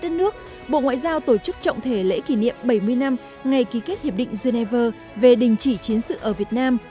đất nước bộ ngoại giao tổ chức trọng thể lễ kỷ niệm bảy mươi năm ngày ký kết hiệp định geneva về đình chỉ chiến sự ở việt nam